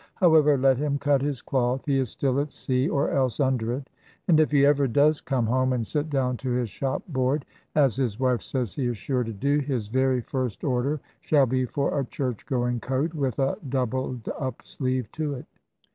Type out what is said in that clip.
However, let him cut his cloth. He is still at sea, or else under it; and if he ever does come home, and sit down to his shop board as his wife says he is sure to do his very first order shall be for a church going coat, with a doubled up sleeve to it.